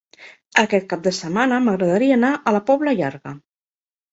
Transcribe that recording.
Aquest cap de setmana m'agradaria anar a la Pobla Llarga.